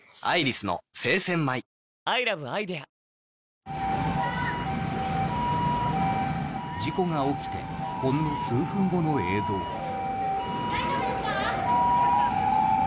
新しくなった事故が起きてほんの数分後の映像です。